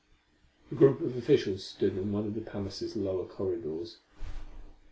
A group of officials stood in one of the palace's lower corridors.